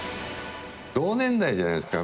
同年代じゃないですか。